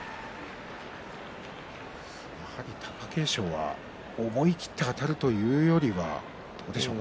貴景勝は思い切ってあたるというよりはどうでしょうか。